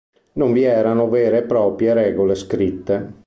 Non vi erano vere e proprie regole scritte.